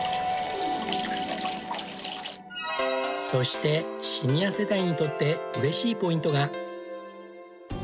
そしてシニア世代にとって嬉しいポイントが。